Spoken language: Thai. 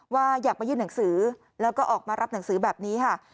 อยากมายื่นหนังสือแล้วก็ออกมารับหนังสือแบบนี้ค่ะ